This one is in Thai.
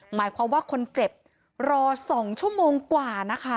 หมายความว่าคนเจ็บรอ๒ชั่วโมงกว่านะคะ